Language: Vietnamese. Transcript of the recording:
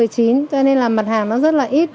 cho nên là mặt hàng nó rất là ít